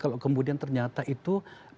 kalau kemudian ternyata itu